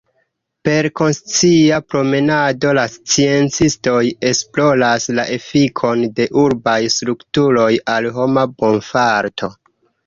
Per konscia promenado la sciencistoj esploras la efikon de urbaj strukturoj al homa bonfarto.